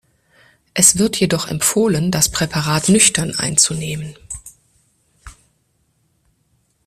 Es wird jedoch empfohlen, das Präparat nüchtern einzunehmen.